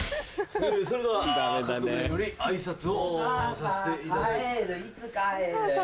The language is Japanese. それではカクベエより挨拶をさせていただきます。